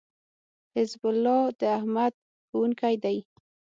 حزب الله داحمد ښوونکی دی